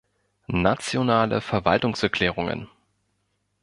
Nationale Verwaltungserklärungen!